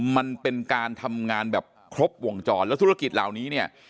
มันเป็นการทำงานแบบครบวงจรแล้วธุรกิจเหล่านี้เนี่ย